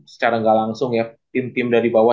secara gak langsung ya tim tim dari bawah